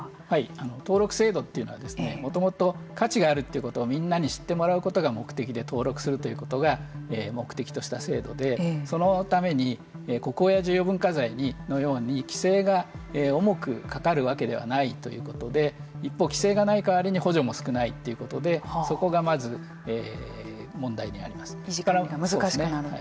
登録制度というのはもともと価値があるということをみんなに知ってもらうということが目的で登録するということが目的とした制度でそのために国宝や重要文化財のように規制が重くかかるわけではないということで一方、規制がない代わりに補助も少ないということで維持管理が難しくなる。